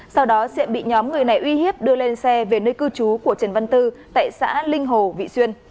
sau đó diệm bị nhóm người này uy hiếp đưa lên xe về nơi cư trú của trần văn tư tại xã linh hồ vị xuyên